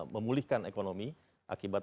memulihkan ekonomi akibat